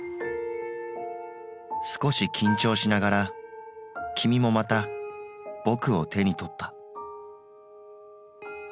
少し緊張しながらきみもまたぼくを手に取った。